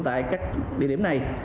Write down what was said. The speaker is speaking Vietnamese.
tại các địa điểm này